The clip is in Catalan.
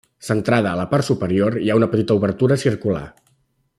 Centrada, a la part superior, hi ha una petita obertura circular.